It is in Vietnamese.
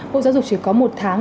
bộ giáo dục chỉ có một tháng